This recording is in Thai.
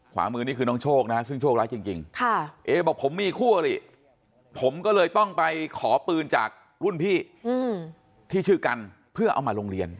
ขวามือนี่คือน้องโชคนะฮะซึ่งโชคร้ายจริงเอบอกผมมีคู่อริผมก็เลยต้องไปขอปืนจากรุ่นพี่ที่ชื่อกันเพื่อเอามาโรงเรียน